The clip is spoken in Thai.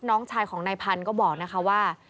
น้องชายของนายพันธุ์ก็บอกนะคะว่า